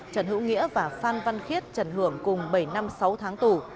trần hữu nghĩa và phan văn khiết trần hưởng cùng bảy năm sáu tháng tù